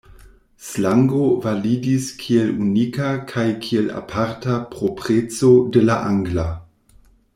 Slango validis kiel unika kaj kiel aparta propreco de la angla.